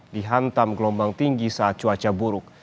dihantam gelombang tinggi saat cuaca buruk